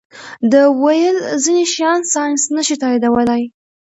ده ویل ځینې شیان ساینس نه شي تائیدولی.